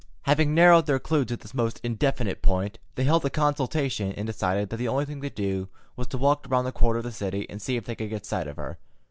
Having narrowed their clue to this most indefinite point, they held a consultation and decided that the only thing to do was to walk around that quarter of the city and see if they could get sight of her.